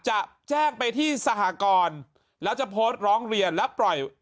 จะแจ้งไปที่สหกรแล้วจะโพสต์ร้องเรียนแล้วปล่อย